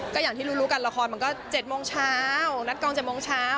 ก็อย่างที่รู้กันละครมันก็๗โมงเช้านัดกอง๗โมงเช้า